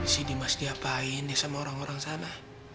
si dimas diapain nih sama orang orang sana